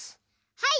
はい！